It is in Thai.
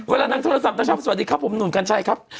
เวลานางโทรศัพท์นางชอบสวัสดีครับผมหนุ่มกัญชัยครับ